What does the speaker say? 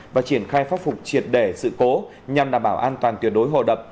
và triển khai phắc phục triệt để sự cố nhằm đảm bảo an toàn tuyệt đối hồ đập